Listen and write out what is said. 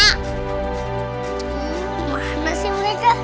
kemanah sih mereka